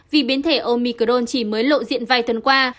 vì biến thể omicron chỉ mới lộ diện vài tuần qua